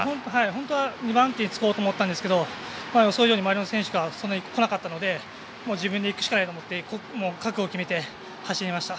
本当は２番手につこうと思ったんですけど予想より前の選手がそんなにこなかったので自分でいくしかないと思って覚悟を決めて走りました。